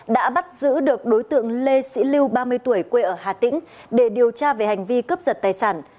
đã bắt giữ được đối tượng lê sĩ lưu ba mươi tuổi quê ở hà tĩnh để điều tra về hành vi cướp giật tài sản